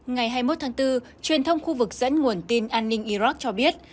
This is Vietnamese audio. ngày hai mươi một tháng bốn truyền thông khu vực dẫn nguồn tin an ninh iraq cho biết